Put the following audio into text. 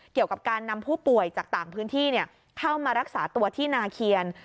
เกี่ยวกับการนำผู้ป่วยจากต่างพื้นที่เข้ามารักษาตัวที่นาเคียน